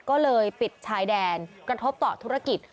ก็เลยปิดชายแดนกระทบต่อธุรกิจ